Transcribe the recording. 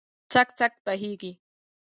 څک، څک بهیږې